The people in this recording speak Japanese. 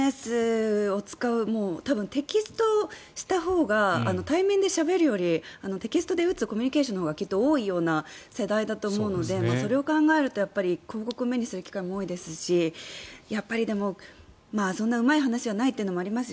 ＳＮＳを使う多分、テキストしたほうが対面でしゃべるよりテキストで打つコミュニケーションがきっと多いような世代だと思うのでそれを考えると広告を目にする機会も多いですしでもそんなうまい話はないというのもあります。